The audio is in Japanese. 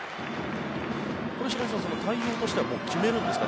白井さん、対応としてはもう決めるんですか？